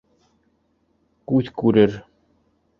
Күҙ күрер.